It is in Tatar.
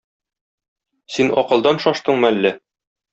Син акылдан шаштыңмы әллә?